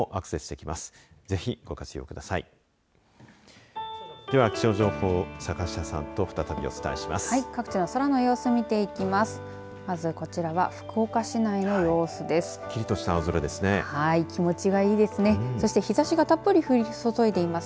はい、各地の空の様子を見ていきます。